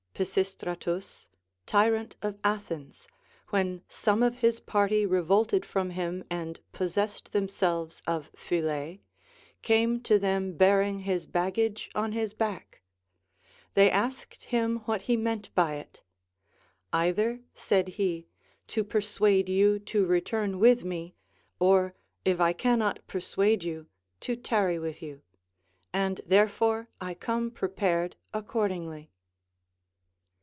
Pisistratus, tyrant of Athens, when some of his party revolted from him and possessed themselves of Phyle, came to them bearing his baggage on his back. They asked him what he meant by it. Eitliei, said he, to persuade you to return with me, or if I cannot persuade you, to tarry with you ; and therefore I come prepared accordingly.